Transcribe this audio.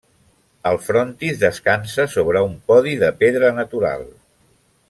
El frontis descansa sobre un podi de pedra natural.